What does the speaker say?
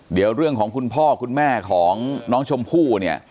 เดี๋ยวเรื่องของคุณพ่อคุณแม่ของน้องชมพู่เนี่ย